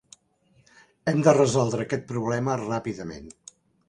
Hem de resoldre aquest problema ràpidament.